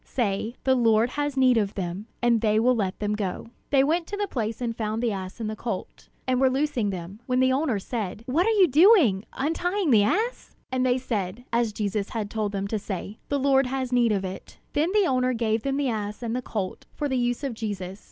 say, 'The Lord has need of them,' and they will let them go." They went to the place and found the ass and the colt, and were loosing them, when the owner said: "What are you doing, untying the ass?" And they said, as Jesus had told them to say: "The Lord has need of it." Then the owner gave them the ass and the colt for the use of Jesus.